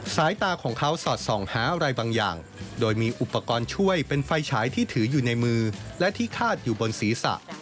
สายตาของเขาสอดส่องหาอะไรบางอย่างโดยมีอุปกรณ์ช่วยเป็นไฟฉายที่ถืออยู่ในมือและที่คาดอยู่บนศีรษะ